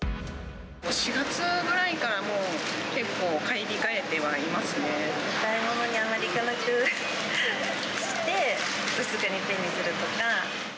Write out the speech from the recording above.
４月ぐらいからもう、お買い物にあまり行かなくして、２日にいっぺんにするとか。